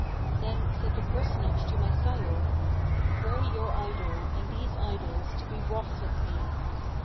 Then said the Personage to my sire, 'Pray your idol and these idols to be wroth with me.'